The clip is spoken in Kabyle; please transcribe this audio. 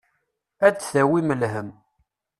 Ad d-tawim lhemm.